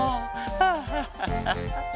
ハハハハ。